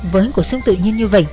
với cuộc sống tự nhiên